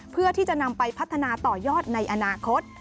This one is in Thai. เพื่อที่จะนำไปพัฒนาต่อยอดในอนาคต